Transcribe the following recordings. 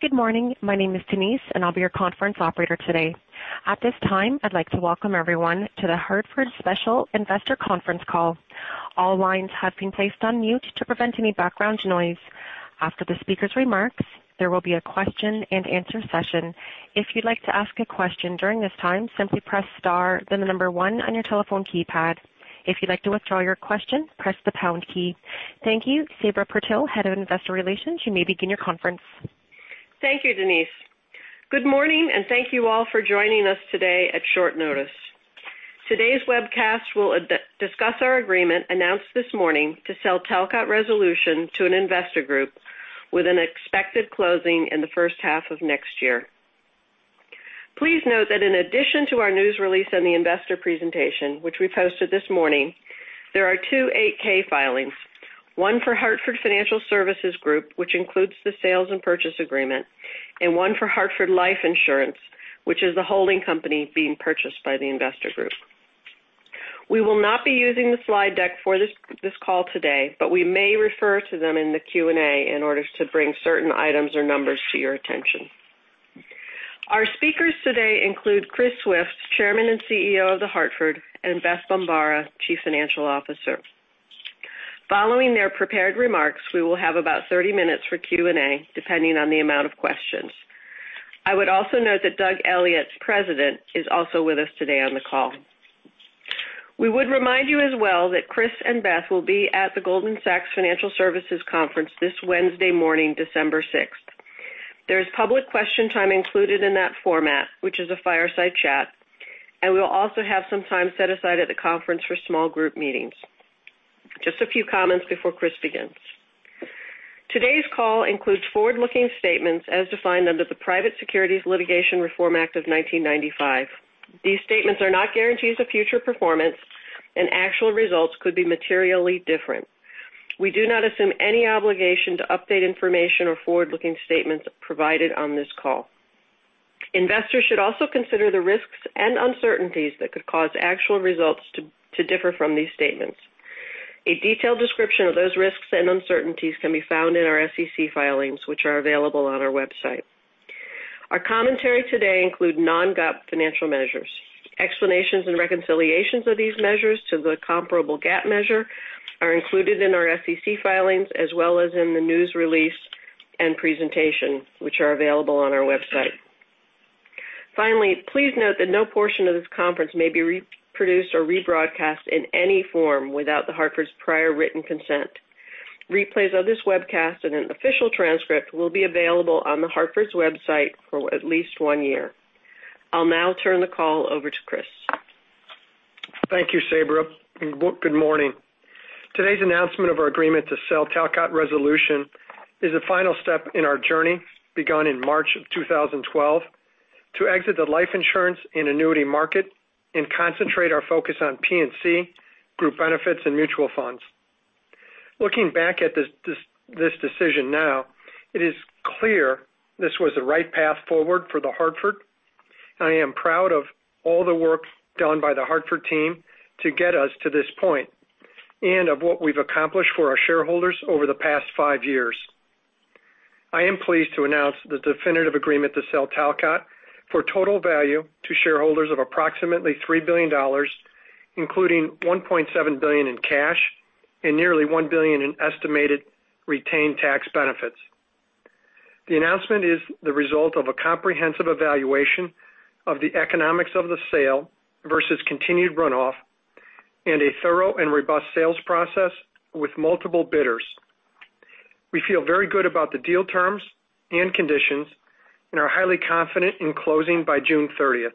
Good morning. My name is Denise, and I'll be your conference operator today. At this time, I'd like to welcome everyone to The Hartford special investor conference call. All lines have been placed on mute to prevent any background noise. After the speaker's remarks, there will be a question and answer session. If you'd like to ask a question during this time, simply press star then the number one on your telephone keypad. If you'd like to withdraw your question, press the pound key. Thank you. Sabra Purtill, Head of Investor Relations, you may begin your conference. Thank you, Denise. Good morning, and thank you all for joining us today at short notice. Today's webcast will discuss our agreement announced this morning to sell Talcott Resolution to an investor group with an expected closing in the first half of next year. Please note that in addition to our news release and the investor presentation, which we posted this morning, there are two 8-K filings, one for Hartford Financial Services Group, which includes the sales and purchase agreement, and one for Hartford Life Insurance, which is the holding company being purchased by the investor group. We will not be using the slide deck for this call today, but we may refer to them in the Q&A in order to bring certain items or numbers to your attention. Our speakers today include Chris Swift, Chairman and CEO of The Hartford, and Beth Bombara, Chief Financial Officer. Following their prepared remarks, we will have about 30 minutes for Q&A, depending on the amount of questions. I would also note that Doug Elliot, President, is also with us today on the call. We would remind you as well that Chris and Beth will be at the Goldman Sachs Financial Services Conference this Wednesday morning, December 6th. There is public question time included in that format, which is a fireside chat, and we will also have some time set aside at the conference for small group meetings. Just a few comments before Chris begins. Today's call includes forward-looking statements as defined under the Private Securities Litigation Reform Act of 1995. These statements are not guarantees of future performance, and actual results could be materially different. We do not assume any obligation to update information or forward-looking statements provided on this call. Investors should also consider the risks and uncertainties that could cause actual results to differ from these statements. A detailed description of those risks and uncertainties can be found in our SEC filings, which are available on our website. Our commentary today include non-GAAP financial measures. Explanations and reconciliations of these measures to the comparable GAAP measure are included in our SEC filings as well as in the news release and presentation, which are available on our website. Finally, please note that no portion of this conference may be reproduced or rebroadcast in any form without The Hartford's prior written consent. Replays of this webcast and an official transcript will be available on The Hartford's website for at least one year. I'll now turn the call over to Chris. Thank you, Sabra. Good morning. Today's announcement of our agreement to sell Talcott Resolution is a final step in our journey begun in March of 2012 to exit the life insurance and annuity market and concentrate our focus on P&C, group benefits, and mutual funds. Looking back at this decision now, it is clear this was the right path forward for The Hartford. I am proud of all the work done by The Hartford team to get us to this point and of what we've accomplished for our shareholders over the past five years. I am pleased to announce the definitive agreement to sell Talcott for total value to shareholders of approximately $3 billion, including $1.7 billion in cash and nearly $1 billion in estimated retained tax benefits. The announcement is the result of a comprehensive evaluation of the economics of the sale versus continued runoff and a thorough and robust sales process with multiple bidders. We feel very good about the deal terms and conditions and are highly confident in closing by June 30th.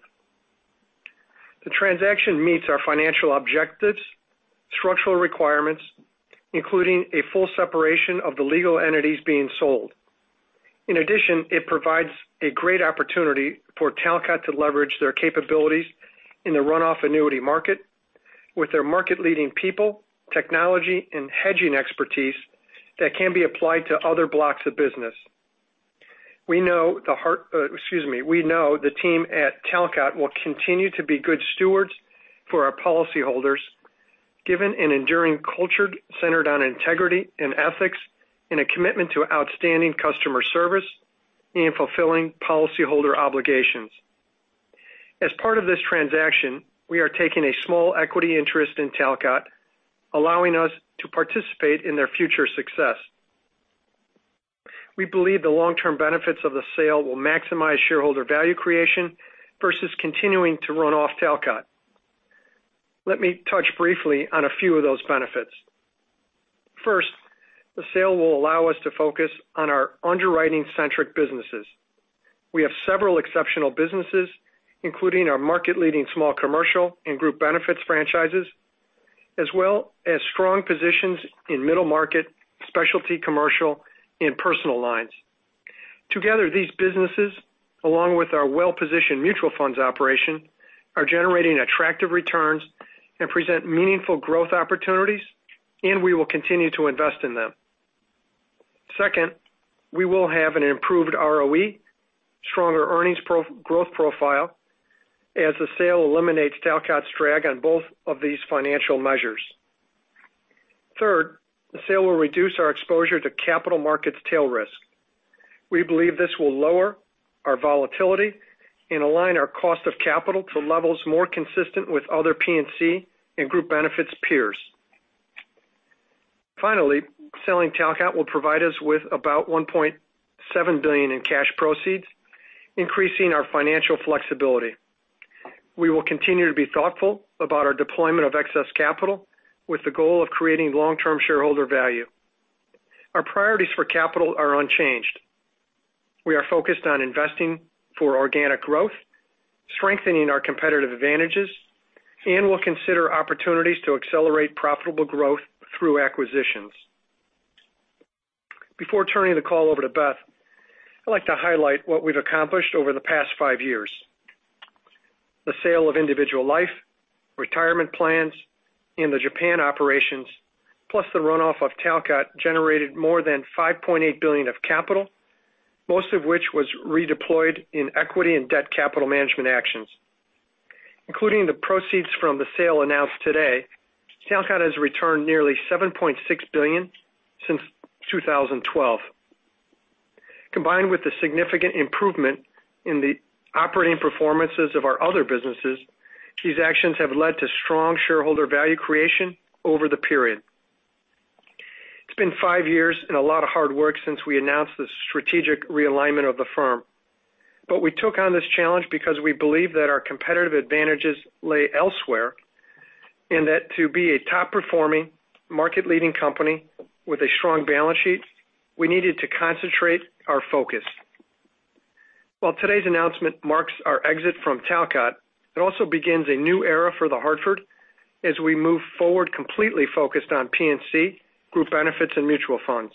The transaction meets our financial objectives, structural requirements, including a full separation of the legal entities being sold. In addition, it provides a great opportunity for Talcott to leverage their capabilities in the runoff annuity market with their market-leading people, technology, and hedging expertise that can be applied to other blocks of business. We know the team at Talcott will continue to be good stewards for our policyholders, given an enduring culture centered on integrity and ethics and a commitment to outstanding customer service and fulfilling policyholder obligations. As part of this transaction, we are taking a small equity interest in Talcott, allowing us to participate in their future success. We believe the long-term benefits of the sale will maximize shareholder value creation versus continuing to run off Talcott. Let me touch briefly on a few of those benefits. First, the sale will allow us to focus on our underwriting-centric businesses. We have several exceptional businesses, including our market-leading small commercial and group benefits franchises, as well as strong positions in middle market, specialty commercial, and personal lines. Together, these businesses, along with our well-positioned mutual funds operation, are generating attractive returns and present meaningful growth opportunities. We will continue to invest in them. Second, we will have an improved ROE, stronger earnings growth profile, as the sale eliminates Talcott's drag on both of these financial measures. Third, the sale will reduce our exposure to capital markets tail risk. We believe this will lower our volatility and align our cost of capital to levels more consistent with other P&C and group benefits peers. Finally, selling Talcott will provide us with about $1.7 billion in cash proceeds, increasing our financial flexibility. We will continue to be thoughtful about our deployment of excess capital with the goal of creating long-term shareholder value. Our priorities for capital are unchanged. We are focused on investing for organic growth, strengthening our competitive advantages, and we'll consider opportunities to accelerate profitable growth through acquisitions. Before turning the call over to Beth, I'd like to highlight what we've accomplished over the past five years. The sale of individual life, retirement plans in the Japan operations, plus the run-off of Talcott, generated more than $5.8 billion of capital, most of which was redeployed in equity and debt capital management actions. Including the proceeds from the sale announced today, Talcott has returned nearly $7.6 billion since 2012. Combined with the significant improvement in the operating performances of our other businesses, these actions have led to strong shareholder value creation over the period. It's been five years and a lot of hard work since we announced the strategic realignment of the firm. We took on this challenge because we believe that our competitive advantages lay elsewhere, and that to be a top-performing, market-leading company with a strong balance sheet, we needed to concentrate our focus. While today's announcement marks our exit from Talcott, it also begins a new era for The Hartford as we move forward completely focused on P&C, group benefits, and mutual funds.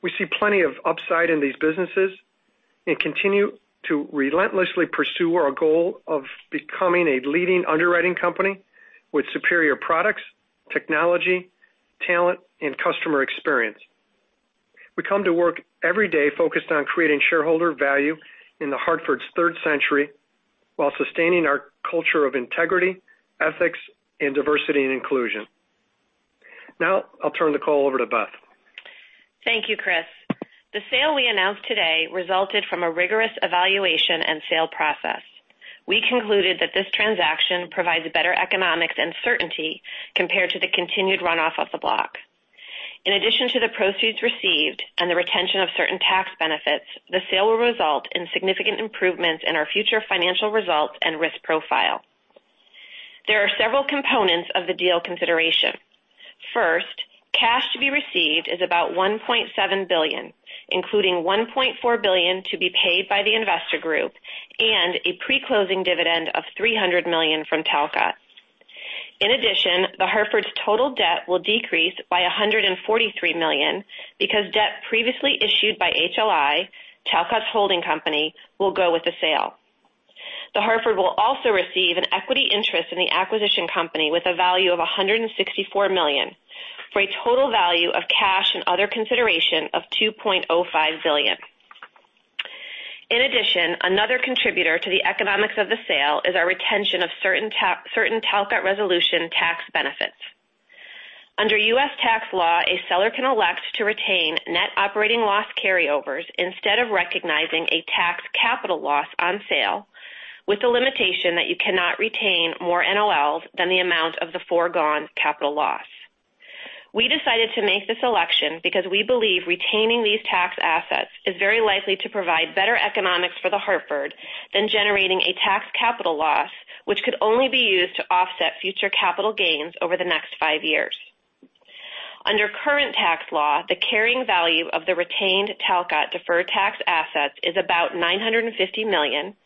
We see plenty of upside in these businesses and continue to relentlessly pursue our goal of becoming a leading underwriting company with superior products, technology, talent, and customer experience. We come to work every day focused on creating shareholder value in The Hartford's third century while sustaining our culture of integrity, ethics, and diversity and inclusion. Now, I'll turn the call over to Beth. Thank you, Chris. The sale we announced today resulted from a rigorous evaluation and sale process. We concluded that this transaction provides better economics and certainty compared to the continued run-off of the block. In addition to the proceeds received and the retention of certain tax benefits, the sale will result in significant improvements in our future financial results and risk profile. There are several components of the deal consideration. First, cash to be received is about $1.7 billion, including $1.4 billion to be paid by the investor group and a pre-closing dividend of $300 million from Talcott. In addition, The Hartford's total debt will decrease by $143 million because debt previously issued by HLI, Talcott's holding company, will go with the sale. The Hartford will also receive an equity interest in the acquisition company with a value of $164 million, for a total value of cash and other consideration of $2.05 billion. In addition, another contributor to the economics of the sale is our retention of certain Talcott Resolution tax benefits. Under U.S. tax law, a seller can elect to retain net operating loss carryovers instead of recognizing a tax capital loss on sale, with the limitation that you cannot retain more NOLs than the amount of the foregone capital loss. We decided to make this election because we believe retaining these tax assets is very likely to provide better economics for The Hartford than generating a tax capital loss, which could only be used to offset future capital gains over the next five years. Under current tax law, the carrying value of the retained Talcott deferred tax assets is about 950 million,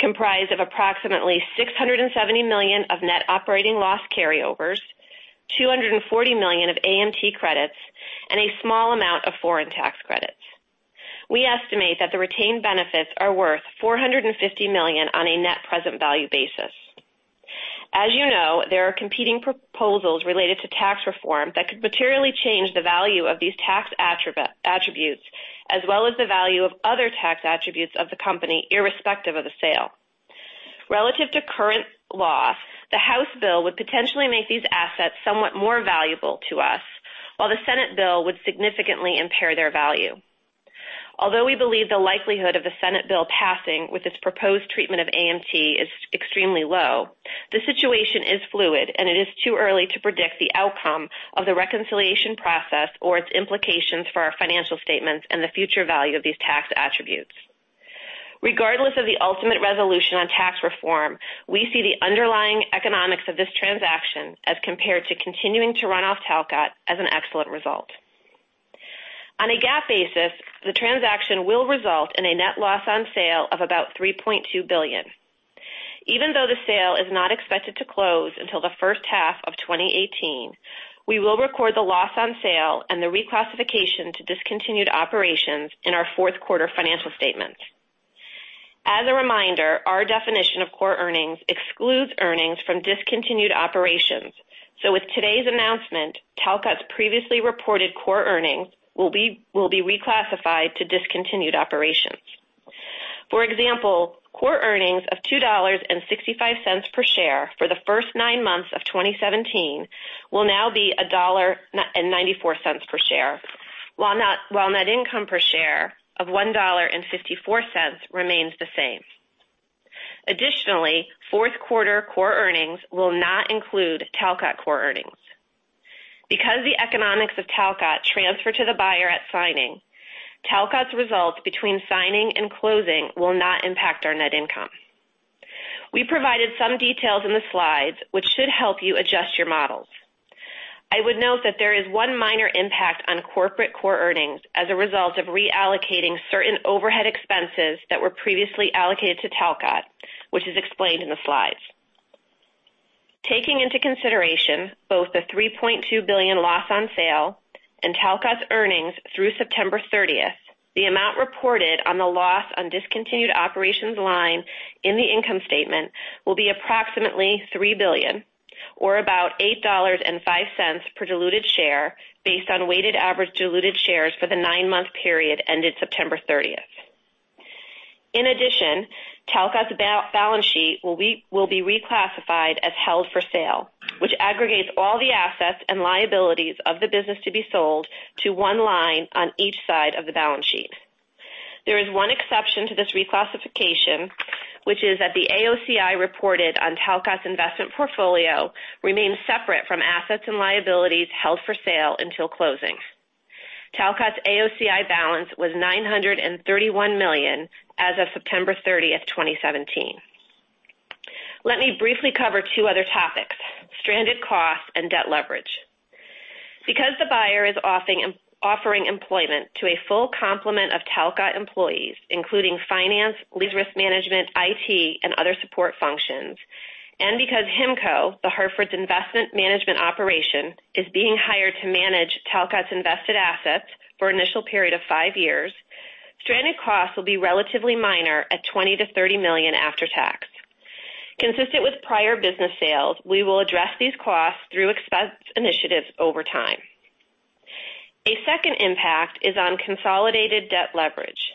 comprised of approximately 670 million of net operating loss carryovers, 240 million of AMT credits, and a small amount of foreign tax credits. We estimate that the retained benefits are worth 450 million on a net present value basis. As you know, there are competing proposals related to tax reform that could materially change the value of these tax attributes as well as the value of other tax attributes of the company, irrespective of the sale. Relative to current law, the House bill would potentially make these assets somewhat more valuable to us, while the Senate bill would significantly impair their value. Although we believe the likelihood of the Senate bill passing with its proposed treatment of AMT is extremely low, the situation is fluid, and it is too early to predict the outcome of the reconciliation process or its implications for our financial statements and the future value of these tax attributes. Regardless of the ultimate resolution on tax reform, we see the underlying economics of this transaction as compared to continuing to run off Talcott as an excellent result. On a GAAP basis, the transaction will result in a net loss on sale of about $3.2 billion. Even though the sale is not expected to close until the first half of 2018, we will record the loss on sale and the reclassification to discontinued operations in our fourth quarter financial statements. As a reminder, our definition of core earnings excludes earnings from discontinued operations. With today's announcement, Talcott's previously reported core earnings will be reclassified to discontinued operations. For example, core earnings of $2.65 per share for the first nine months of 2017 will now be $1.94 per share, while net income per share of $1.54 remains the same. Additionally, fourth quarter core earnings will not include Talcott core earnings. Because the economics of Talcott transfer to the buyer at signing, Talcott's results between signing and closing will not impact our net income. We provided some details in the slides, which should help you adjust your models. I would note that there is one minor impact on corporate core earnings as a result of reallocating certain overhead expenses that were previously allocated to Talcott, which is explained in the slides. Taking into consideration both the $3.2 billion loss on sale and Talcott's earnings through September 30th, the amount reported on the loss on discontinued operations line in the income statement will be approximately $3 billion, or about $8.05 per diluted share based on weighted average diluted shares for the nine-month period ended September 30th. In addition, Talcott's balance sheet will be reclassified as held for sale, which aggregates all the assets and liabilities of the business to be sold to one line on each side of the balance sheet. There is one exception to this reclassification, which is that the AOCI reported on Talcott's investment portfolio remains separate from assets and liabilities held for sale until closing. Talcott's AOCI balance was $931 million as of September 30th, 2017. Let me briefly cover two other topics, stranded costs and debt leverage. Because the buyer is offering employment to a full complement of Talcott employees, including finance, lead risk management, IT, and other support functions, and because HIMCO, The Hartford's investment management operation, is being hired to manage Talcott's invested assets for an initial period of five years, stranded costs will be relatively minor at $20 million-$30 million after tax. Consistent with prior business sales, we will address these costs through expense initiatives over time. A second impact is on consolidated debt leverage.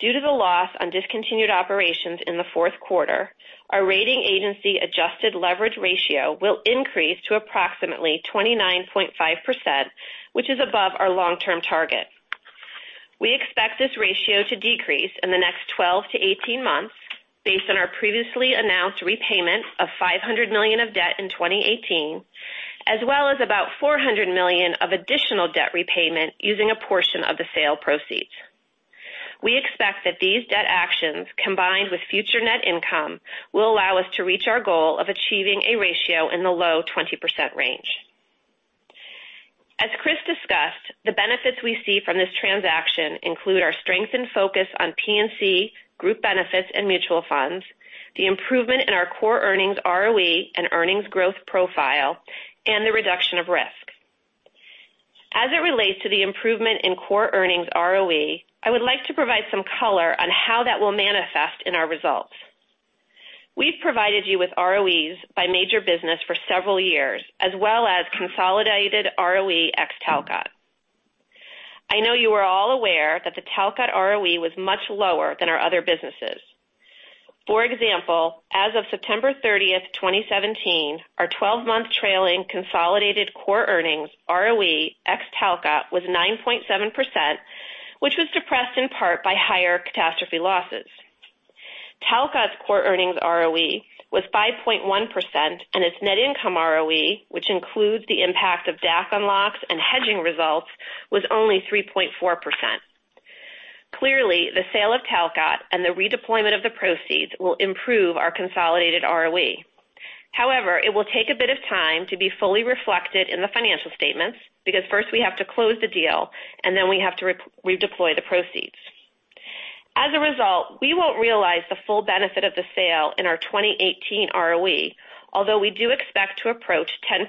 Due to the loss on discontinued operations in the fourth quarter, our rating agency adjusted leverage ratio will increase to approximately 29.5%, which is above our long-term target. We expect this ratio to decrease in the next 12-18 months based on our previously announced repayment of $500 million of debt in 2018, as well as about $400 million of additional debt repayment using a portion of the sale proceeds. We expect that these debt actions, combined with future net income, will allow us to reach our goal of achieving a ratio in the low 20% range. As Chris discussed, the benefits we see from this transaction include our strength and focus on P&C group benefits and mutual funds, the improvement in our core earnings ROE and earnings growth profile, and the reduction of risk. As it relates to the improvement in core earnings ROE, I would like to provide some color on how that will manifest in our results. We've provided you with ROEs by major business for several years, as well as consolidated ROE ex Talcott. I know you are all aware that the Talcott ROE was much lower than our other businesses. For example, as of September 30th, 2017, our 12-month trailing consolidated core earnings ROE ex Talcott was 9.7%, which was depressed in part by higher catastrophe losses. Talcott's core earnings ROE was 5.1%, and its net income ROE, which includes the impact of DAC unlocks and hedging results, was only 3.4%. Clearly, the sale of Talcott and the redeployment of the proceeds will improve our consolidated ROE. However, it will take a bit of time to be fully reflected in the financial statements because first we have to close the deal and then we have to redeploy the proceeds. As a result, we won't realize the full benefit of the sale in our 2018 ROE, although we do expect to approach 10%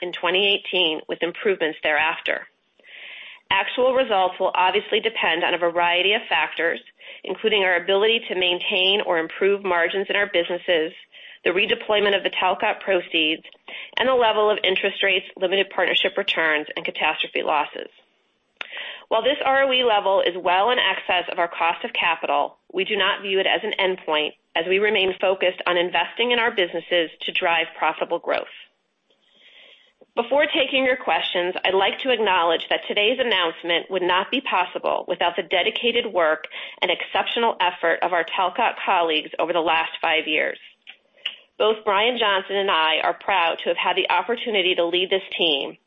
in 2018 with improvements thereafter. Actual results will obviously depend on a variety of factors, including our ability to maintain or improve margins in our businesses, the redeployment of the Talcott proceeds, and the level of interest rates, limited partnership returns, and catastrophe losses. While this ROE level is well in excess of our cost of capital, we do not view it as an endpoint as we remain focused on investing in our businesses to drive profitable growth. Before taking your questions, I'd like to acknowledge that today's announcement would not be possible without the dedicated work and exceptional effort of our Talcott colleagues over the last five years. Both Brian Johnson and I are proud to have had the opportunity to lead this team,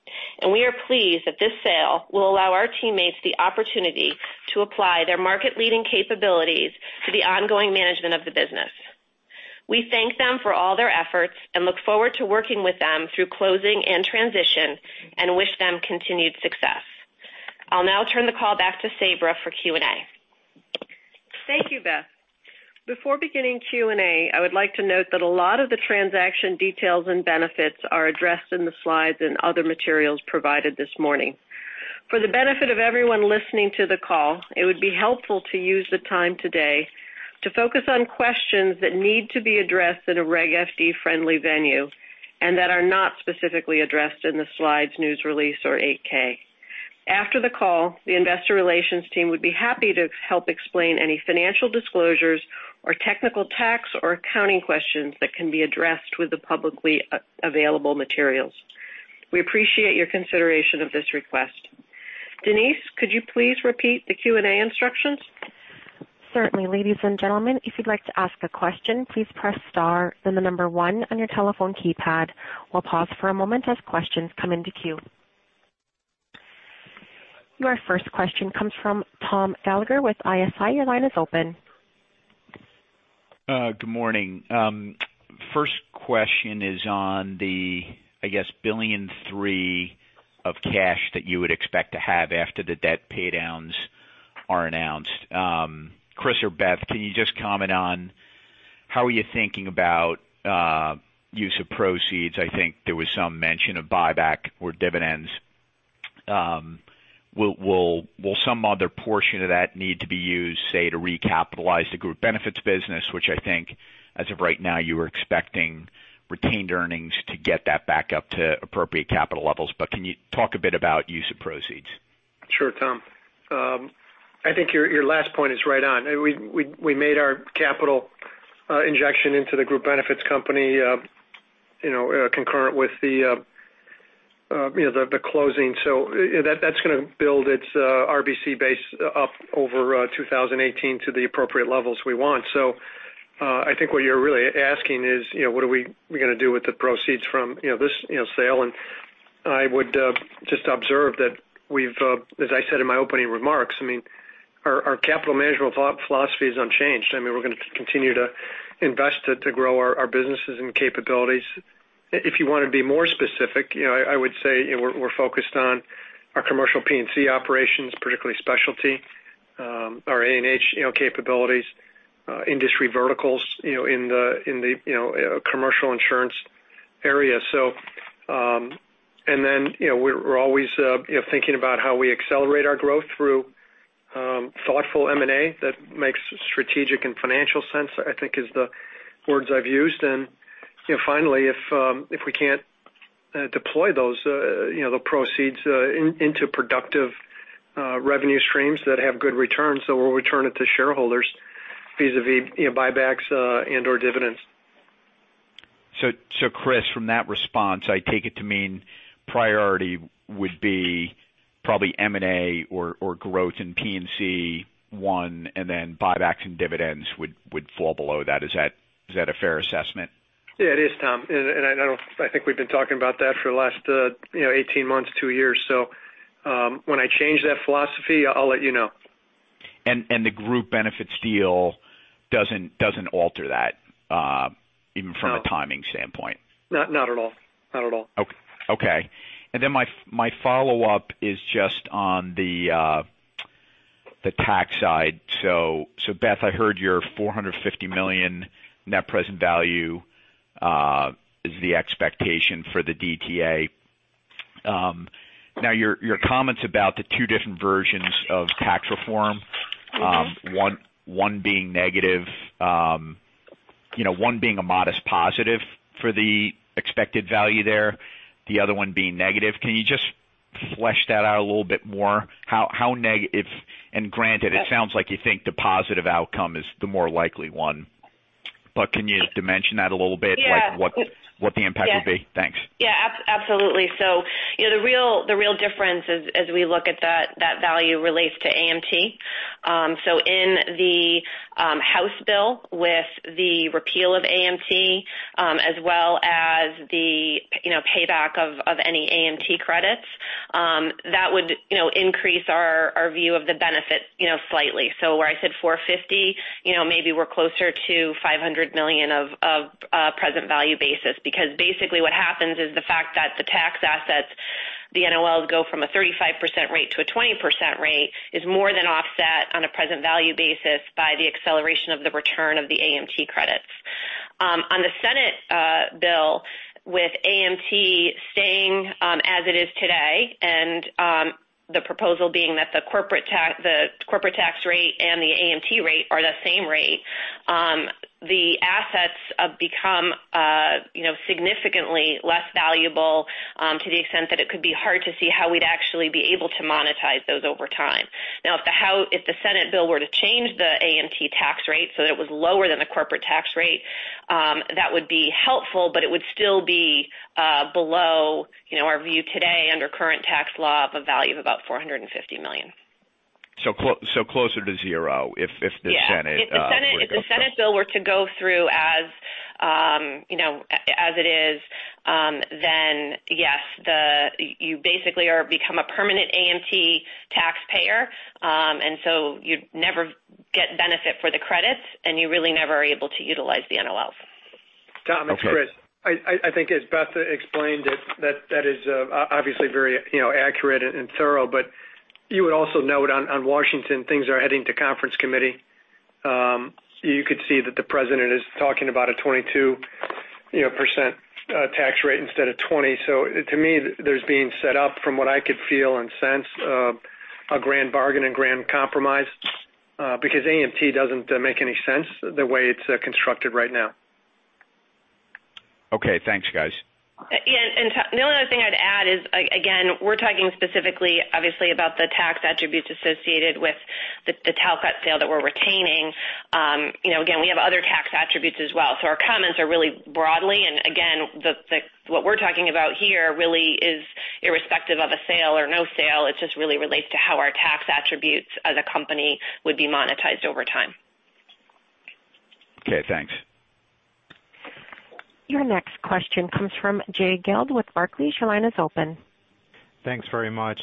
and we are pleased that this sale will allow our teammates the opportunity to apply their market-leading capabilities to the ongoing management of the business. We thank them for all their efforts and look forward to working with them through closing and transition and wish them continued success. I'll now turn the call back to Sabra for Q&A. Thank you, Beth. Before beginning Q&A, I would like to note that a lot of the transaction details and benefits are addressed in the slides and other materials provided this morning. For the benefit of everyone listening to the call, it would be helpful to use the time today to focus on questions that need to be addressed in a Regulation FD-friendly venue and that are not specifically addressed in the slides, news release, or 8-K. After the call, the investor relations team would be happy to help explain any financial disclosures or technical tax or accounting questions that can be addressed with the publicly available materials. We appreciate your consideration of this request. Denise, could you please repeat the Q&A instructions? Certainly. Ladies and gentlemen, if you'd like to ask a question, please press star, then the number one on your telephone keypad. We'll pause for a moment as questions come into queue. Your first question comes from Tom Gallagher with ISI. Your line is open. Good morning. First question is on the, I guess, $1.3 billion of cash that you would expect to have after the debt paydowns are announced. Chris or Beth, can you just comment on how are you thinking about use of proceeds? I think there was some mention of buyback or dividends. Will some other portion of that need to be used, say, to recapitalize the group benefits business, which I think as of right now, you were expecting retained earnings to get that back up to appropriate capital levels. Can you talk a bit about use of proceeds? Sure, Tom. I think your last point is right on. We made our capital injection into the group benefits company concurrent with the closing. That's going to build its RBC base up over 2018 to the appropriate levels we want. I think what you're really asking is, what are we going to do with the proceeds from this sale? I would just observe that we've, as I said in my opening remarks, our capital management philosophy is unchanged. We're going to continue to invest to grow our businesses and capabilities. If you want to be more specific, I would say we're focused on our commercial P&C operations, particularly specialty, our A&H capabilities, industry verticals in the commercial insurance area. We're always thinking about how we accelerate our growth through thoughtful M&A that makes strategic and financial sense, I think is the words I've used. Finally, if we can't deploy the proceeds into productive revenue streams that have good returns, so we'll return it to shareholders vis-a-vis buybacks and/or dividends. Chris, from that response, I take it to mean priority would be probably M&A or growth in P&C 1, and then buybacks and dividends would fall below that. Is that a fair assessment? Yeah, it is, Tom. I think we've been talking about that for the last 18 months, two years. When I change that philosophy, I'll let you know. The group benefits deal doesn't alter that even from a timing standpoint? No. Not at all. Okay. My follow-up is just on the tax side. Beth, I heard your $450 million net present value is the expectation for the DTA. Now, your comments about the two different versions of tax reform, one being a modest positive for the expected value there, the other one being negative. Can you just flesh that out a little bit more? Granted, it sounds like you think the positive outcome is the more likely one. Can you dimension that a little bit? Yeah. What the impact would be? Thanks. Yeah, absolutely. The real difference as we look at that value relates to AMT. In the House bill with the repeal of AMT as well as the payback of any AMT credits, that would increase our view of the benefit slightly. Where I said $450, maybe we're closer to $500 million of present value basis, because basically what happens is the fact that the tax assets, the NOLs go from a 35% rate to a 20% rate is more than offset on a present value basis by the acceleration of the return of the AMT credits. On the Senate bill with AMT staying as it is today, and the proposal being that the corporate tax rate and the AMT rate are the same rate, the assets have become significantly less valuable to the extent that it could be hard to see how we'd actually be able to monetize those over time. Now, if the Senate bill were to change the AMT tax rate so that it was lower than the corporate tax rate, that would be helpful, but it would still be below our view today under current tax law of a value of about $450 million. Closer to zero if the Senate. Yeah. If the Senate bill were to go through as it is, yes, you basically become a permanent AMT taxpayer, you'd never get benefit for the credits, you really never are able to utilize the NOLs. Okay. Tom, it's Chris. I think as Beth explained it, that is obviously very accurate and thorough. You would also note on Washington, things are heading to conference committee. You could see that the president is talking about a 22% tax rate instead of 20. To me, there's being set up from what I could feel and sense a grand bargain and grand compromise because AMT doesn't make any sense the way it's constructed right now. Okay. Thanks, guys. Yeah. The only other thing I'd add is, again, we're talking specifically, obviously, about the tax attributes associated with the Talcott sale that we're retaining. Again, we have other tax attributes as well. Our comments are really broadly, again, what we're talking about here really is irrespective of a sale or no sale. It just really relates to how our tax attributes as a company would be monetized over time. Okay, thanks. Your next question comes from Jay Gelb with Barclays. Your line is open. Thanks very much.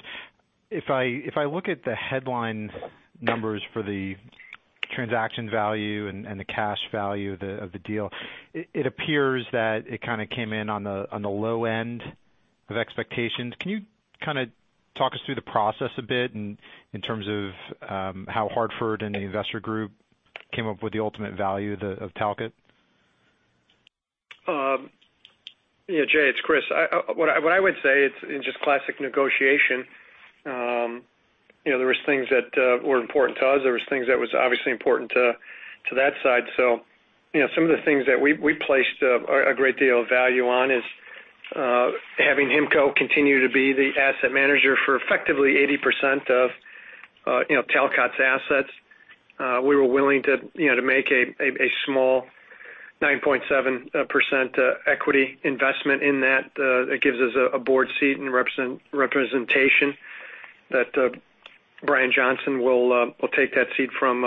If I look at the headline numbers for the transaction value and the cash value of the deal, it appears that it kind of came in on the low end of expectations. Can you kind of talk us through the process a bit in terms of how Hartford and the investor group came up with the ultimate value of Talcott? Jay, it's Chris. What I would say, it's just classic negotiation. There was things that were important to us. There was things that was obviously important to that side. Some of the things that we placed a great deal of value on is having HIMCO continue to be the asset manager for effectively 80% of Talcott's assets. We were willing to make a small 9.7% equity investment in that. It gives us a board seat and representation that Brian Johnson will take that seat from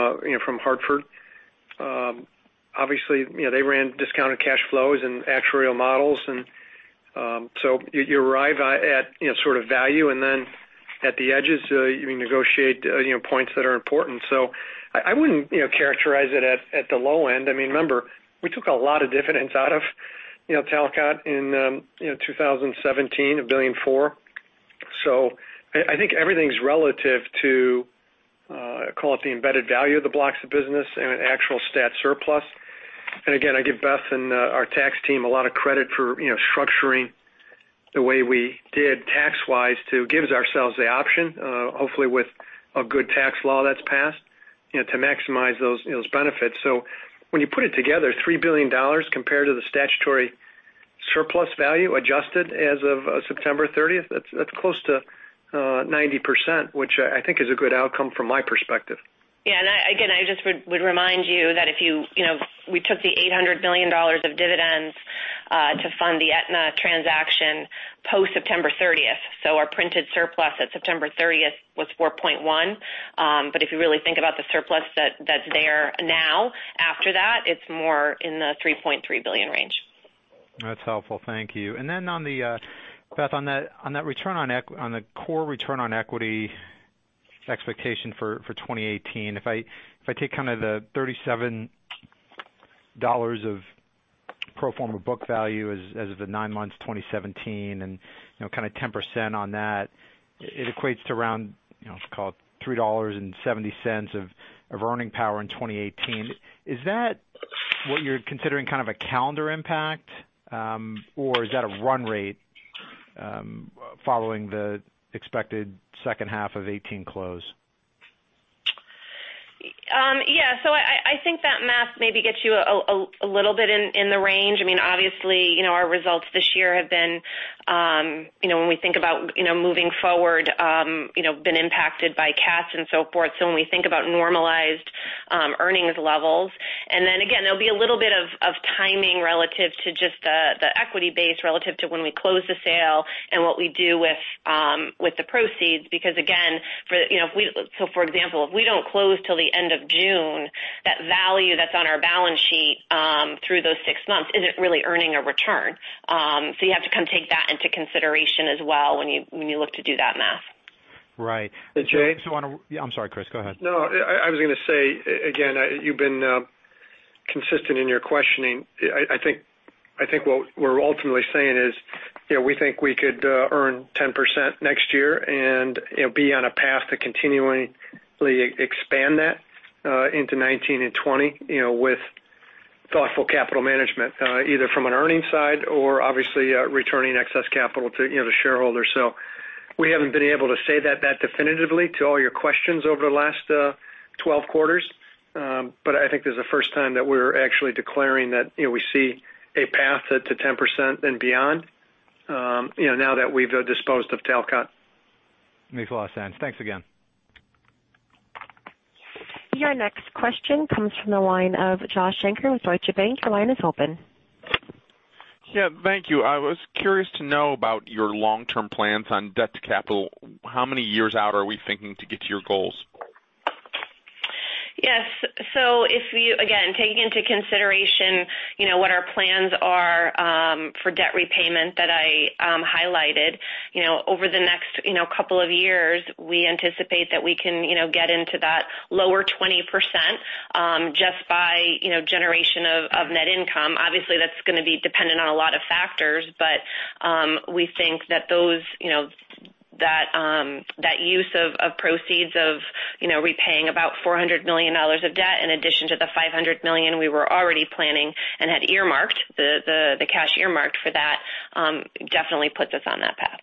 Hartford. Obviously, they ran discounted cash flows and actuarial models, you arrive at sort of value, and then at the edges, you negotiate points that are important. I wouldn't characterize it at the low end. Remember, we took a lot of dividends out of Talcott in 2017, $1.4 billion. I think everything's relative to, call it the embedded value of the blocks of business and an actual stat surplus. Again, I give Beth Bombara and our tax team a lot of credit for structuring the way we did tax-wise to give ourselves the option, hopefully with a good tax law that's passed, to maximize those benefits. When you put it together, $3 billion compared to the statutory surplus value adjusted as of September 30th, that's close to 90%, which I think is a good outcome from my perspective. Again, I just would remind you that we took the $800 million of dividends to fund the Aetna transaction post-September 30th. Our printed surplus at September 30th was $4.1. If you really think about the surplus that's there now after that, it's more in the $3.3 billion range. That's helpful. Thank you. Beth, on the core return on equity expectation for 2018, if I take kind of the $37 of pro forma book value as of the nine months 2017 and kind of 10% on that, it equates to around, let's call it $3.70 of earning power in 2018. Is that what you're considering kind of a calendar impact? Or is that a run rate following the expected second half of 2018 close? I think that math maybe gets you a little bit in the range. Obviously, our results this year have been, when we think about moving forward, been impacted by CATs and so forth. When we think about normalized earnings levels, and then again, there'll be a little bit of timing relative to just the equity base relative to when we close the sale and what we do with the proceeds. Again, for example, if we don't close till the end of June, that value that's on our balance sheet through those six months isn't really earning a return. You have to kind of take that into consideration as well when you look to do that math. Right. Jay- I'm sorry, Chris, go ahead. I was going to say, again, you've been consistent in your questioning. I think what we're ultimately saying is we think we could earn 10% next year and be on a path to continually expand that into 2019 and 2020 with thoughtful capital management, either from an earnings side or obviously returning excess capital to the shareholders. We haven't been able to say that definitively to all your questions over the last 12 quarters. I think this is the first time that we're actually declaring that we see a path to 10% and beyond now that we've disposed of Talcott. Makes a lot of sense. Thanks again. Your next question comes from the line of Josh Shanker with Deutsche Bank. Your line is open. Yeah. Thank you. I was curious to know about your long-term plans on debt to capital. How many years out are we thinking to get to your goals? Yes. Again, taking into consideration what our plans are for debt repayment that I highlighted. Over the next couple of years, we anticipate that we can get into that lower 20% just by generation of net income. Obviously, that's going to be dependent on a lot of factors, we think that use of proceeds of repaying about $400 million of debt in addition to the $500 million we were already planning and had earmarked, the cash earmarked for that, definitely puts us on that path.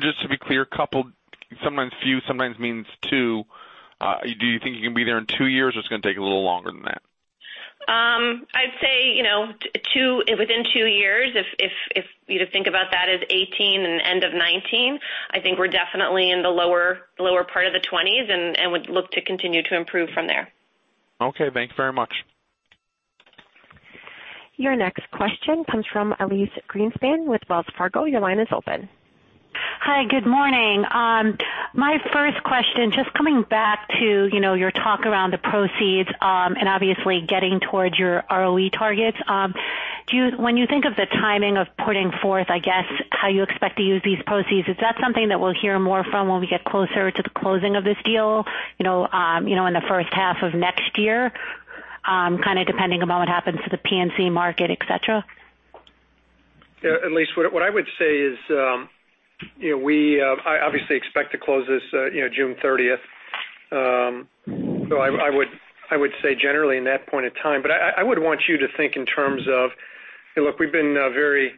Just to be clear, couple sometimes few sometimes means two. Do you think you can be there in two years or it's going to take a little longer than that? I'd say within two years, if you think about that as 2018 and end of 2019, I think we're definitely in the lower part of the twenties and would look to continue to improve from there. Okay, thanks very much. Your next question comes from Elyse Greenspan with Wells Fargo. Your line is open. Hi, good morning. My first question, just coming back to your talk around the proceeds, and obviously getting towards your ROE targets. When you think of the timing of putting forth, I guess, how you expect to use these proceeds, is that something that we'll hear more from when we get closer to the closing of this deal in the first half of next year, kind of depending upon what happens to the P&C market, et cetera? Yeah, Elyse, what I would say is, I obviously expect to close this June 30th. I would say generally in that point of time. I would want you to think in terms of, look, we've been very,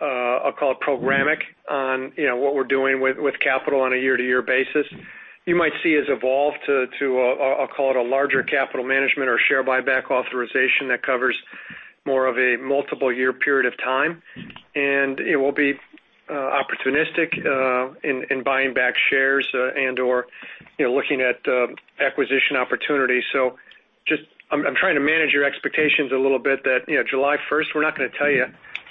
I'll call it programmatic, on what we're doing with capital on a year-to-year basis. You might see it's evolved to, I'll call it a larger capital management or share buyback authorization that covers more of a multiple year period of time. It will be opportunistic in buying back shares and/or looking at acquisition opportunities. I'm trying to manage your expectations a little bit that July 1st, we're not going to tell you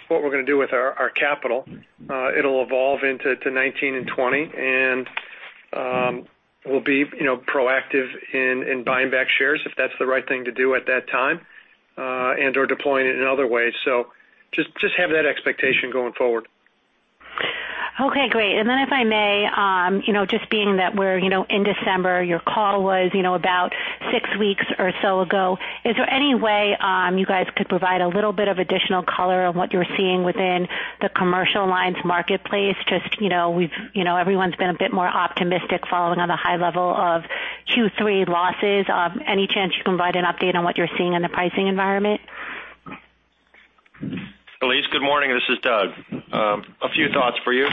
what we're going to do with our capital. It'll evolve into 2019 and 2020. We'll be proactive in buying back shares if that's the right thing to do at that time, and/or deploying it in other ways. Just have that expectation going forward. Okay, great. If I may, just being that we're in December, your call was about six weeks or so ago. Is there any way you guys could provide a little bit of additional color on what you're seeing within the commercial lines marketplace? Everyone's been a bit more optimistic following on the high level of Q3 losses. Any chance you can provide an update on what you're seeing in the pricing environment? Elyse, good morning. This is Doug. A few thoughts for you.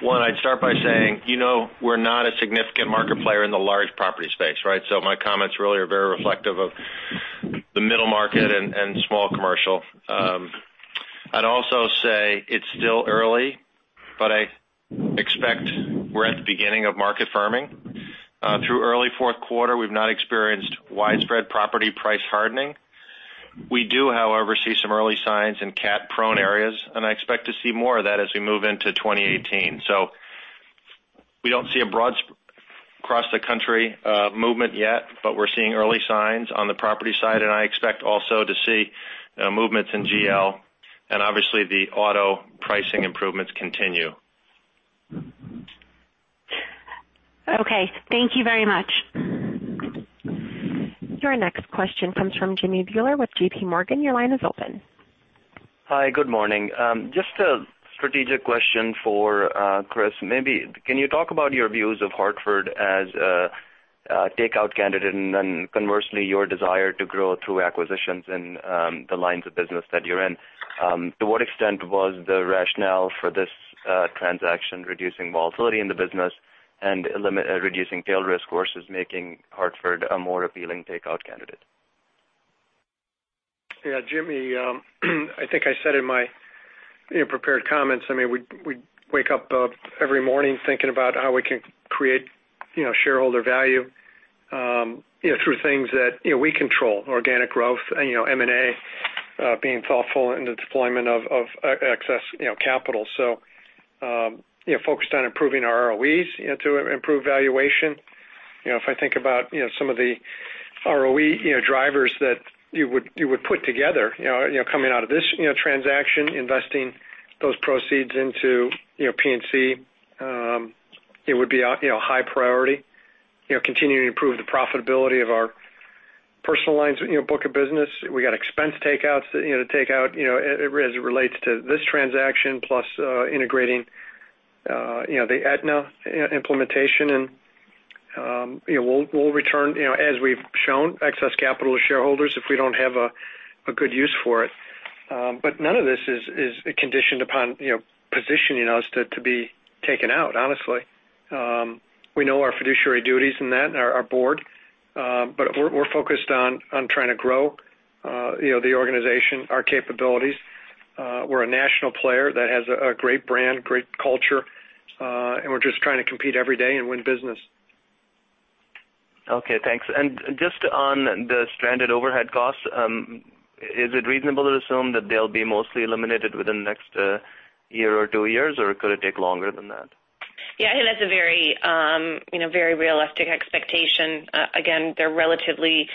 One, I'd start by saying, we're not a significant market player in the large property space, right? My comments really are very reflective of the middle market and small commercial. I'd also say it's still early, but I expect we're at the beginning of market firming. Through early fourth quarter, we've not experienced widespread property price hardening. We do, however, see some early signs in CAT-prone areas. I expect to see more of that as we move into 2018. We don't see a broad across-the-country movement yet, but we're seeing early signs on the property side. I expect also to see movements in GL, and obviously the auto pricing improvements continue. Okay. Thank you very much. Your next question comes from Jimmy Bhullar with JPMorgan. Your line is open. Hi, good morning. Just a strategic question for Chris. Maybe can you talk about your views of The Hartford as a takeout candidate, and then conversely, your desire to grow through acquisitions in the lines of business that you're in? To what extent was the rationale for this transaction reducing volatility in the business and reducing tail risk versus making The Hartford a more appealing takeout candidate? Yeah, Jimmy, I think I said in my prepared comments, we wake up every morning thinking about how we can create shareholder value through things that we control, organic growth, M&A, being thoughtful in the deployment of excess capital. Focused on improving our ROEs to improve valuation. If I think about some of the ROE drivers that you would put together coming out of this transaction, investing those proceeds into P&C, it would be high priority. Continuing to improve the profitability of our personal lines book of business. We got expense takeouts as it relates to this transaction, plus integrating the Aetna implementation, and we'll return, as we've shown, excess capital to shareholders if we don't have a good use for it. None of this is conditioned upon positioning us to be taken out, honestly. We know our fiduciary duties in that and our board. We're focused on trying to grow the organization, our capabilities. We're a national player that has a great brand, great culture, and we're just trying to compete every day and win business. Just on the stranded overhead costs, is it reasonable to assume that they'll be mostly eliminated within the next year or two years, or could it take longer than that? Yeah, I think that's a very realistic expectation. Again, they're relatively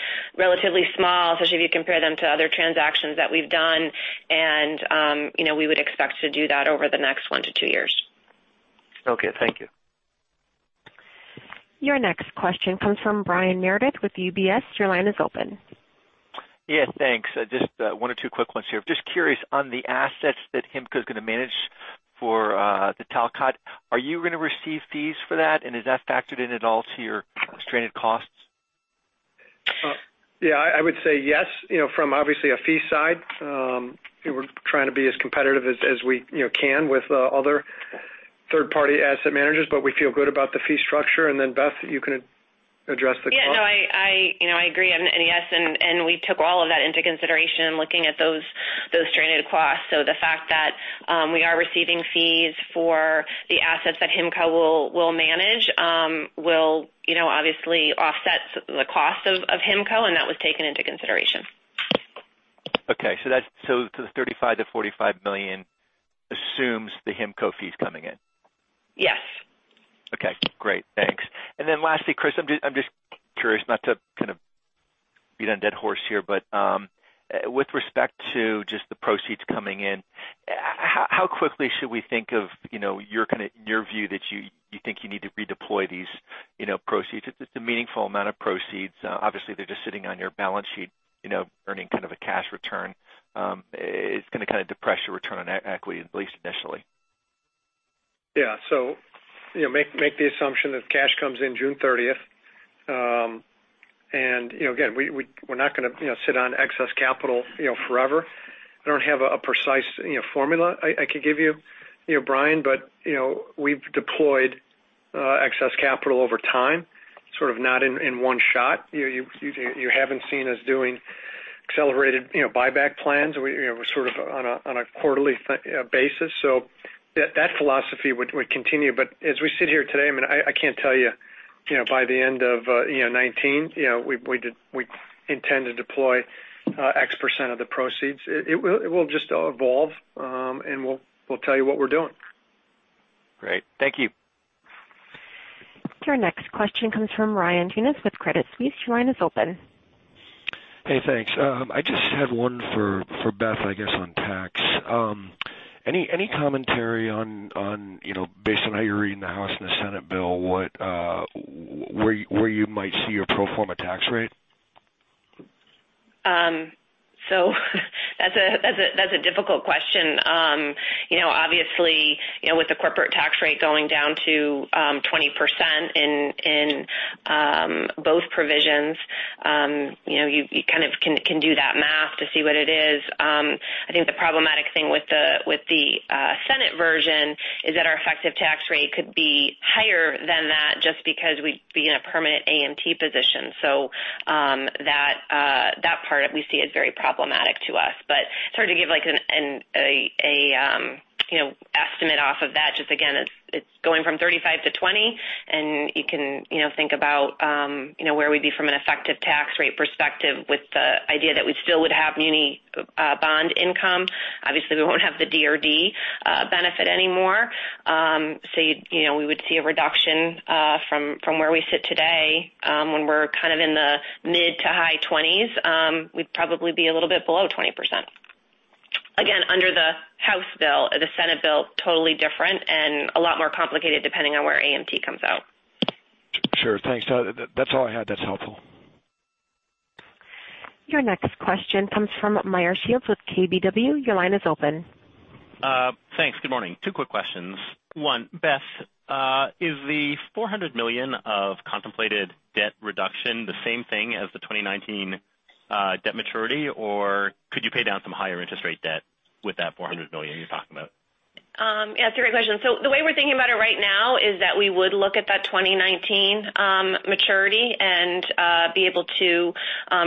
small, especially if you compare them to other transactions that we've done. We would expect to do that over the next one to two years. Okay, thank you. Your next question comes from Brian Meredith with UBS. Your line is open. Yeah, thanks. Just one or two quick ones here. Just curious on the assets that HIMCO is going to manage for the Talcott. Are you going to receive fees for that? Is that factored in at all to your stranded costs? Yeah, I would say yes. From obviously a fee side, we're trying to be as competitive as we can with other third-party asset managers, we feel good about the fee structure. Then Beth, you can address the cost. Yeah. I agree. Yes, we took all of that into consideration looking at those stranded costs. The fact that we are receiving fees for the assets that HIMCO will manage will obviously offset the cost of HIMCO, that was taken into consideration. Okay. The $35 million-$45 million assumes the HIMCO fee is coming in. Yes. Okay, great. Thanks. Lastly, Chris, I'm just curious, not to beat a dead horse here, but with respect to just the proceeds coming in, how quickly should we think of your view that you think you need to redeploy these proceeds? It's a meaningful amount of proceeds. They're just sitting on your balance sheet, earning kind of a cash return. It's going to kind of depress your return on equity, at least initially. Yeah. Make the assumption that cash comes in June 30th. Again, we're not going to sit on excess capital forever. I don't have a precise formula I could give you, Brian, but we've deployed excess capital over time, sort of not in one shot. You haven't seen us doing accelerated buyback plans. We're sort of on a quarterly basis. That philosophy would continue. As we sit here today, I can't tell you by the end of 2019, we intend to deploy X% of the proceeds. It will just evolve, and we'll tell you what we're doing. Great. Thank you. Your next question comes from Ryan Tunis with Credit Suisse. Ryan is open. Hey, thanks. I just have one for Beth, I guess, on tax. Any commentary on, based on how you're reading the House and the Senate bill, where you might see your pro forma tax rate? That's a difficult question. Obviously, with the corporate tax rate going down to 20% in both provisions, you kind of can do that math to see what it is. I think the problematic thing with the Senate bill is that our effective tax rate could be higher than that just because we'd be in a permanent AMT position. That part we see as very problematic to us. It's hard to give an estimate off of that. Just again, it's going from 35 to 20, and you can think about where we'd be from an effective tax rate perspective with the idea that we still would have muni bond income. Obviously, we won't have the DRD benefit anymore. We would see a reduction from where we sit today when we're kind of in the mid to high twenties. We'd probably be a little bit below 20%. Again, under the House bill. The Senate bill, totally different and a lot more complicated depending on where AMT comes out. Sure, thanks. No, that's all I had. That's helpful. Your next question comes from Meyer Shields with KBW. Your line is open. Thanks. Good morning. Two quick questions. One, Beth, is the $400 million of contemplated debt reduction the same thing as the 2019 debt maturity, or could you pay down some higher interest rate debt with that $400 million you're talking about? Yeah, that's a great question. The way we're thinking about it right now is that we would look at that 2019 maturity and be able to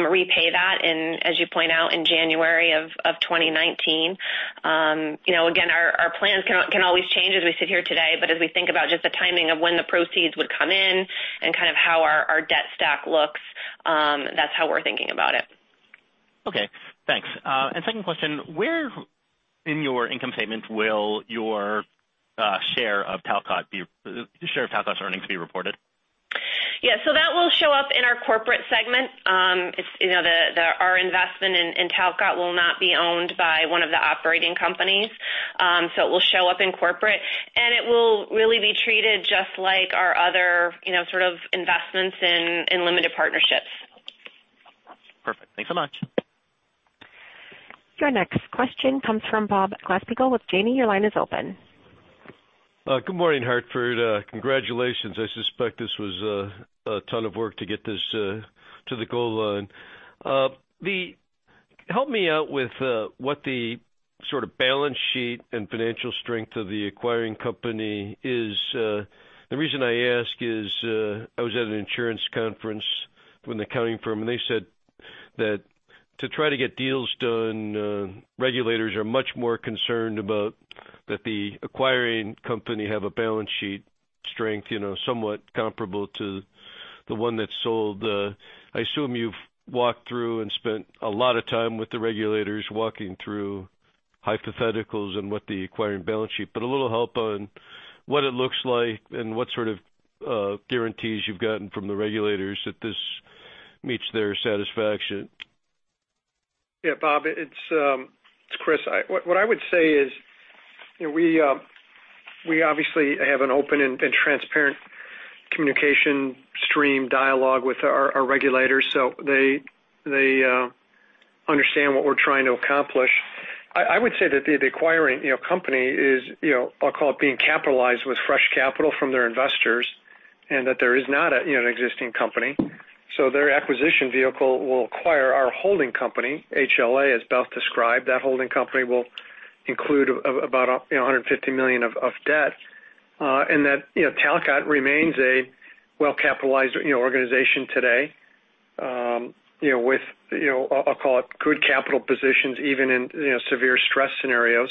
repay that in, as you point out, in January of 2019. Again, our plans can always change as we sit here today, but as we think about just the timing of when the proceeds would come in and kind of how our debt stack looks, that's how we're thinking about it. Okay, thanks. Second question, where in your income statement will your share of Talcott's earnings be reported? Yeah. That will show up in our corporate segment. Our investment in Talcott will not be owned by one of the operating companies. It will show up in corporate, and it will really be treated just like our other sort of investments in limited partnerships. Perfect. Thanks so much. Your next question comes from Bob Glasspiegel with Janney. Your line is open. Good morning, Hartford. Congratulations. I suspect this was a ton of work to get this to the goal line. Help me out with what the sort of balance sheet and financial strength of the acquiring company is. The reason I ask is, I was at an insurance conference with an accounting firm, and they said that to try to get deals done, regulators are much more concerned about that the acquiring company have a balance sheet strength somewhat comparable to the one that sold. I assume you've walked through and spent a lot of time with the regulators walking through hypotheticals and what the acquiring balance sheet. A little help on what it looks like and what sort of guarantees you've gotten from the regulators that this meets their satisfaction. Yeah, Bob, it's Chris. What I would say is we obviously have an open and transparent communication stream dialogue with our regulators. They understand what we're trying to accomplish. I would say that the acquiring company is, I'll call it being capitalized with fresh capital from their investors, and that there is not an existing company. Their acquisition vehicle will acquire our holding company, HLA, as Beth described. That holding company will include about $150 million of debt, and that Talcott remains a well-capitalized organization today with, I'll call it good capital positions, even in severe stress scenarios.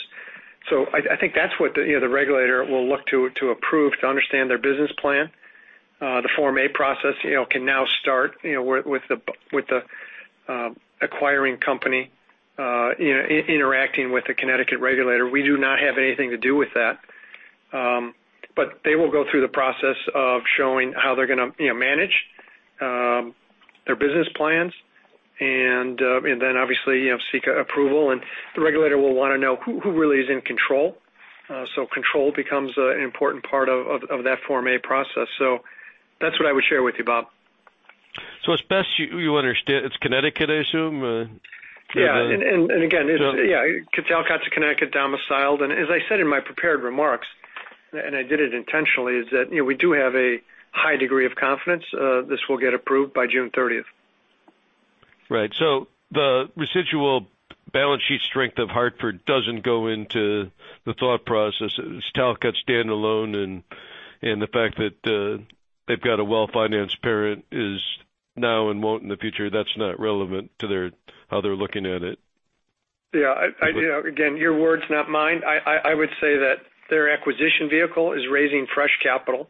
I think that's what the regulator will look to approve to understand their business plan. The Form A process can now start with the acquiring company interacting with the Connecticut regulator. We do not have anything to do with that. They will go through the process of showing how they're going to manage their business plans and then obviously seek approval. The regulator will want to know who really is in control. Control becomes an important part of that Form A process. That's what I would share with you, Bob. It's Beth Bombara you understand it's Connecticut, I assume? Yeah. Again, Talcott's a Connecticut-domiciled, and as I said in my prepared remarks, and I did it intentionally, is that we do have a high degree of confidence this will get approved by June 30th. Right. The residual balance sheet strength of Hartford doesn't go into the thought process. It's Talcott standalone, and the fact that they've got a well-financed parent is now and won't in the future, that's not relevant to how they're looking at it. Yeah. Again, your words, not mine. I would say that their acquisition vehicle is raising fresh capital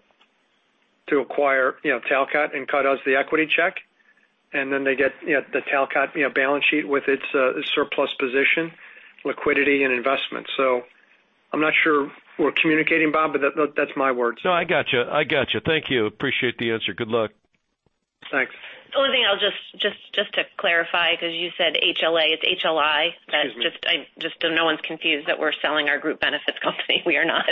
to acquire Talcott and cut us the equity check, and then they get the Talcott balance sheet with its surplus position, liquidity, and investment. I'm not sure we're communicating, Bob, but that's my words. No, I got you. Thank you. Appreciate the answer. Good luck. Thanks. The only thing, just to clarify, because you said HLA, it's HLI. Excuse me. No one's confused that we're selling our group benefits company. We are not.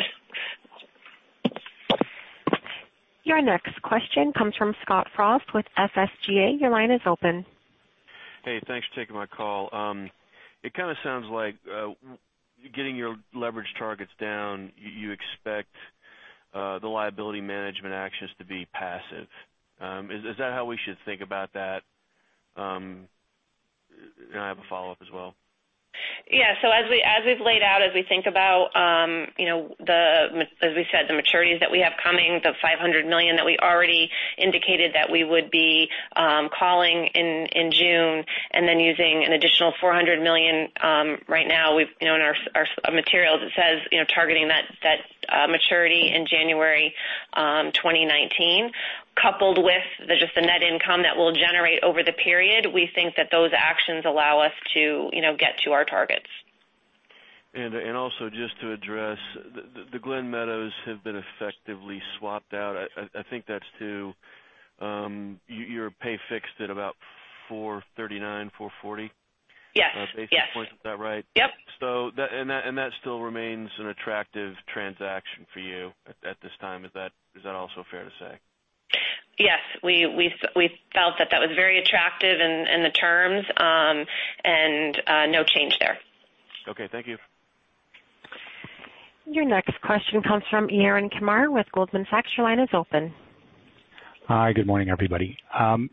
Your next question comes from Scott Frost with SSgA. Your line is open. Hey, thanks for taking my call. It kind of sounds like getting your leverage targets down, you expect the liability management actions to be passive. Is that how we should think about that? I have a follow-up as well. As we've laid out, as we think about, as we said, the maturities that we have coming, the $500 million that we already indicated that we would be calling in June, and then using an additional $400 million right now in our materials, it says, targeting that maturity in January 2019, coupled with just the net income that we'll generate over the period, we think that those actions allow us to get to our targets. Also just to address the Glen Meadow have been effectively swapped out. I think that's to your pay fixed at about 439, 440? Yes. Basis points. Is that right? Yep. That still remains an attractive transaction for you at this time. Is that also fair to say? Yes. We felt that was very attractive in the terms. No change there. Okay. Thank you. Your next question comes from Yaron Kinar with Goldman Sachs. Your line is open. Hi. Good morning, everybody.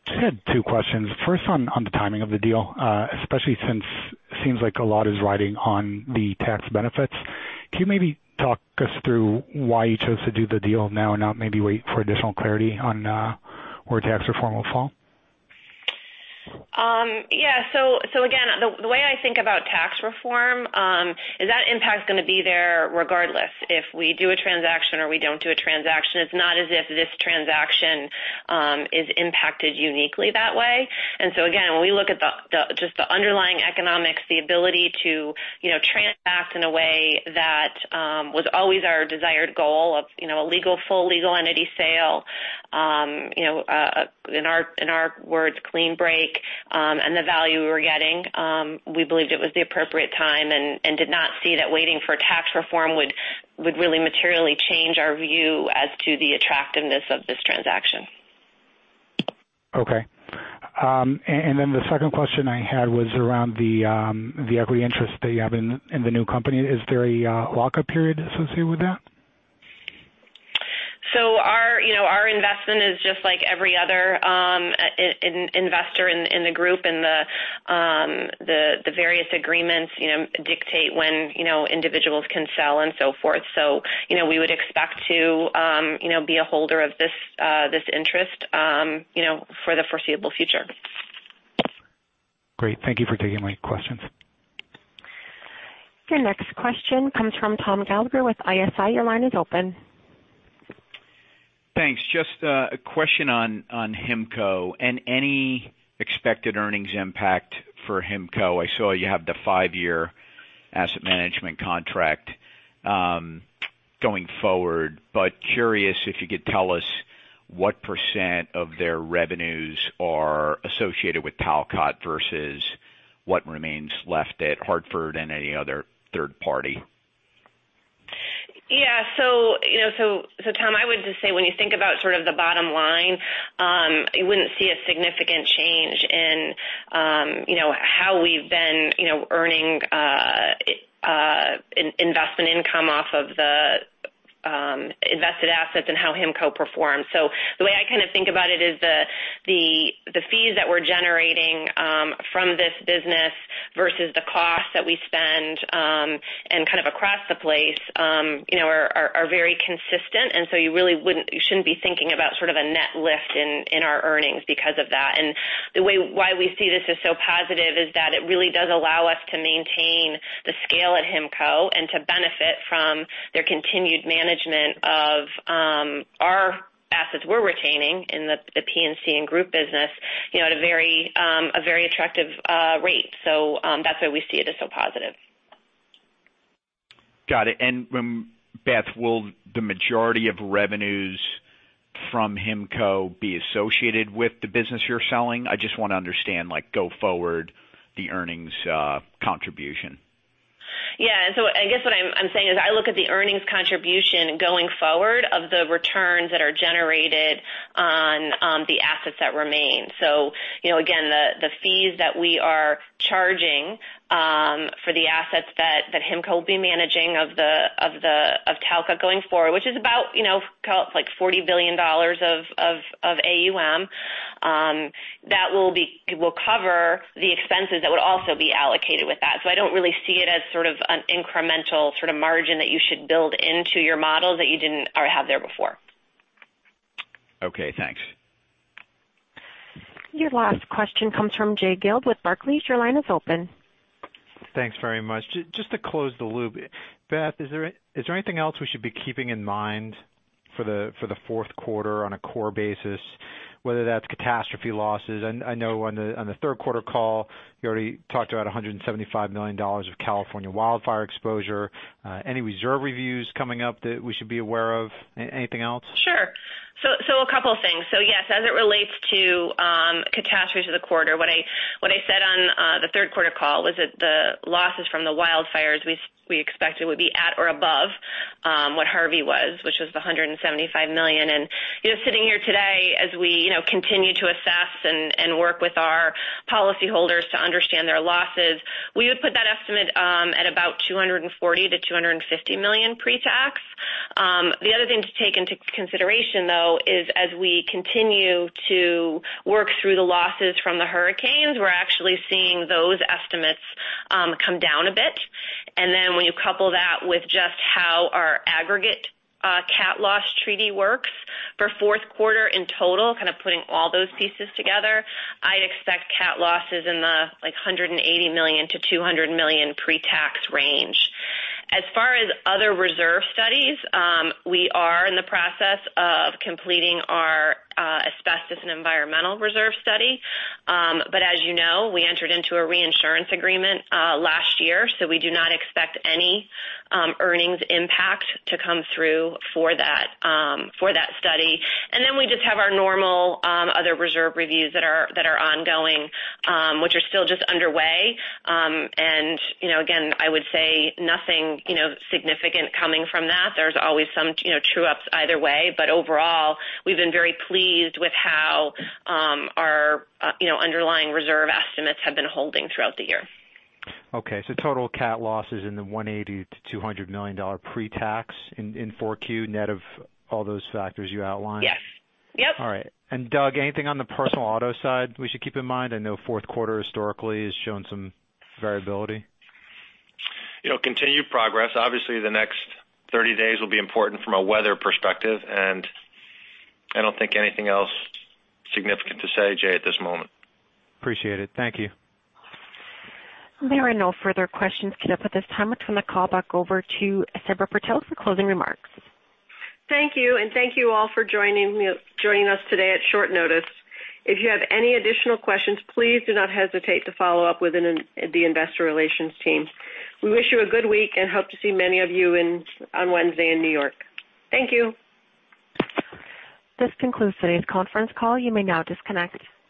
Just had two questions. First, on the timing of the deal, especially since it seems like a lot is riding on the tax benefits. Can you maybe talk us through why you chose to do the deal now and not maybe wait for additional clarity on where tax reform will fall? Yeah. Again, the way I think about tax reform, is that impact's going to be there regardless if we do a transaction or we don't do a transaction. It's not as if this transaction is impacted uniquely that way. Again, when we look at just the underlying economics, the ability to transact in a way that was always our desired goal of a full legal entity sale, in our words, clean break, and the value we were getting, we believed it was the appropriate time and did not see that waiting for tax reform would really materially change our view as to the attractiveness of this transaction. Okay. The second question I had was around the equity interest that you have in the new company. Is there a lock-up period associated with that? Our investment is just like every other investor in the group, the various agreements dictate when individuals can sell and so forth. We would expect to be a holder of this interest for the foreseeable future. Great. Thank you for taking my questions. Your next question comes from Tom Gallagher with ISI. Your line is open. Thanks. Just a question on HIMCO and any expected earnings impact for HIMCO. I saw you have the five-year asset management contract going forward, curious if you could tell us what % of their revenues are associated with Talcott versus what remains left at Hartford and any other third party? Tom, I would just say when you think about the bottom line, you wouldn't see a significant change in how we've been earning investment income off of the invested assets and how HIMCO performs. The way I think about it is the fees that we're generating from this business versus the cost that we spend, and kind of across the place, are very consistent. You really shouldn't be thinking about a net lift in our earnings because of that. Why we see this as so positive is that it really does allow us to maintain the scale at HIMCO and to benefit from their continued management of our assets we're retaining in the P&C and group business, at a very attractive rate. That's why we see it as so positive. Got it. Beth, will the majority of revenues from HIMCO be associated with the business you're selling? I just want to understand, go forward, the earnings contribution. Yeah. I guess what I'm saying is, I look at the earnings contribution going forward of the returns that are generated on the assets that remain. Again, the fees that we are charging for the assets that HIMCO will be managing of Talcott going forward, which is about, call it like $40 billion of AUM. That will cover the expenses that would also be allocated with that. I don't really see it as sort of an incremental sort of margin that you should build into your model that you didn't have there before. Okay, thanks. Your last question comes from Jay Gelb with Barclays. Your line is open. Thanks very much. Just to close the loop. Beth, is there anything else we should be keeping in mind for the fourth quarter on a core basis, whether that's catastrophe losses? I know on the third quarter call, you already talked about $175 million of California wildfire exposure. Any reserve reviews coming up that we should be aware of? Anything else? Sure. A couple things. Yes, as it relates to catastrophes of the quarter, what I said on the third quarter call was that the losses from the wildfires we expected would be at or above what Harvey was, which was the $175 million. Sitting here today as we continue to assess and work with our policyholders to understand their losses, we would put that estimate at about $240 million-$250 million pre-tax. The other thing to take into consideration, though, is as we continue to work through the losses from the hurricanes, we are actually seeing those estimates come down a bit. When you couple that with just how our aggregate cat loss treaty works for fourth quarter in total, kind of putting all those pieces together, I would expect cat losses in the $180 million-$200 million pre-tax range. As far as other reserve studies, we are in the process of completing our asbestos and environmental reserve study. As you know, we entered into a reinsurance agreement last year, we do not expect any earnings impact to come through for that study. We just have our normal other reserve reviews that are ongoing, which are still just underway. Again, I would say nothing significant coming from that. There is always some true-ups either way, but overall, we have been very pleased with how our underlying reserve estimates have been holding throughout the year. Okay, total cat losses in the $180 million-$200 million pre-tax in 4Q, net of all those factors you outlined? Yes. All right. Doug, anything on the personal auto side we should keep in mind? I know fourth quarter historically has shown some variability. Continued progress. Obviously, the next 30 days will be important from a weather perspective, and I don't think anything else significant to say, Jay, at this moment. Appreciate it. Thank you. There are no further questions queued up at this time. I'd turn the call back over to Sabra Purtill for closing remarks. Thank you, and thank you all for joining us today at short notice. If you have any additional questions, please do not hesitate to follow up with the investor relations team. We wish you a good week and hope to see many of you on Wednesday in New York. Thank you. This concludes today's conference call. You may now disconnect.